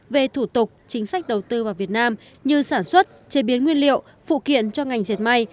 về thủ tục chính sách đầu tư vào việt nam như sản xuất chế biến nguyên liệu phụ kiện cho ngành dệt may